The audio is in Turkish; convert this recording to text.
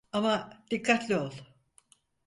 Ama dikkatli ol.